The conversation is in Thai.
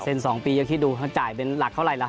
เซ็น๒ปียังคิดดูจ่ายเป็นหลักเท่าไหร่ละ